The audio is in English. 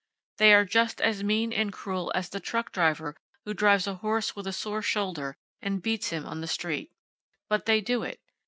They are just as mean and cruel as the truck driver who drives a horse with a sore shoulder and beats him on the street. But they do it!